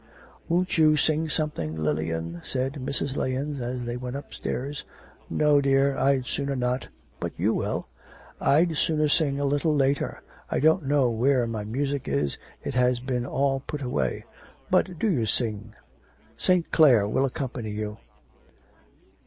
'Won't you sing something, Lilian?' said Mrs. Lahens, as they went upstairs. 'No, dear, I'd sooner not, but you will.' 'I'd sooner sing a little later. I don't know where my music is, it has been all put away. But do you sing. St. Clare will accompany you.